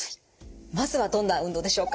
まずはどんな運動でしょうか？